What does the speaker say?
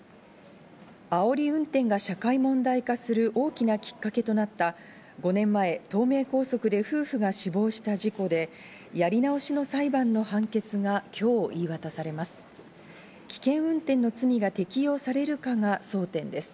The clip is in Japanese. あおり運転が社会問題化する大きなきっかけとなった、５年前、東名高速で夫婦が死亡した事故で、やり直しの裁判の判決が今日言い渡されます。